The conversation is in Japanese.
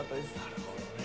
なるほどね。